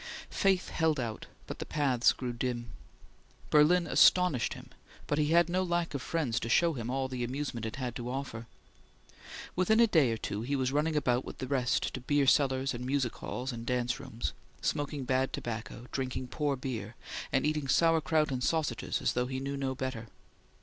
Faith held out, but the paths grew dim. Berlin astonished him, but he had no lack of friends to show him all the amusement it had to offer. Within a day or two he was running about with the rest to beer cellars and music halls and dance rooms, smoking bad tobacco, drinking poor beer, and eating sauerkraut and sausages as though he knew no better.